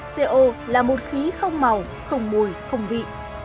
co là một khí không màu không mùi không vị